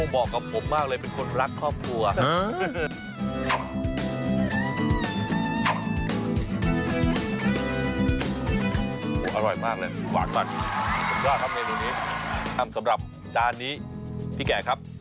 สำหรับจานนี้พี่แก่ครับ